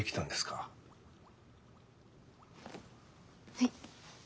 はい？